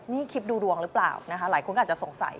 นี่คลิปดูดวงหรือเปล่านะคะหลายคนก็อาจจะสงสัย